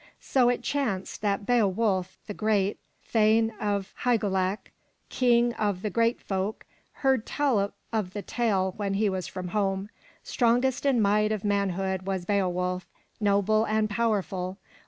So it chanced that Be'o wulf, the Geat, thane of Hy'ge lac, King of the Geat folk, heard tell of the tale when he was from home. Strongest in might of manhood was Beo wulf, noble and powerful.